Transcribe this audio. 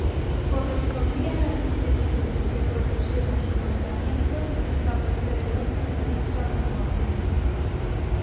Correspondía a las instituciones que propusieron su nombramiento establecer el orden de dicha renovación.